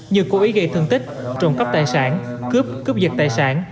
như cố ý gây thương tích trộm cấp tài sản cướp cướp dịch tài sản